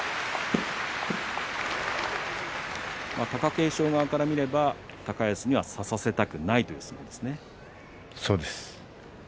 貴景勝側から見ると高安に差させたくないそうですね。